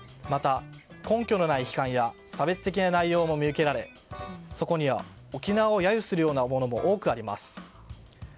また、根拠のない批判や差別的な内容も見受けられそこには沖縄を、揶揄するようなものも多くあります。